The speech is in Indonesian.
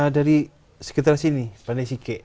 dari sekitar sini bandai sike